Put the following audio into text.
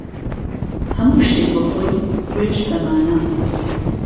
ههموو شتێک به خوێ، خوێش به مانا